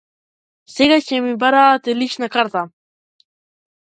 Сега ќе ми бараат и лична карта.